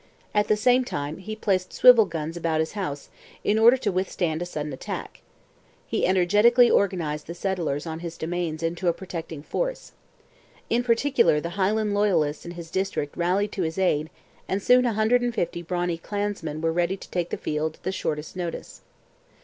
At the same time, he placed swivel guns about his house, in order to withstand a sudden attack. He energetically organized the settlers on his domains into a protecting force. In particular the Highland loyalists in his district rallied to his aid, and soon a hundred and fifty brawny clansmen were ready to take the field at the shortest notice.